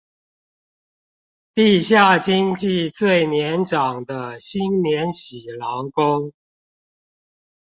地下經濟最年長的新免洗勞工